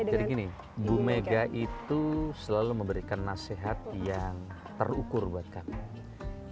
jadi gini bu mega itu selalu memberikan nasihat yang terukur buat kami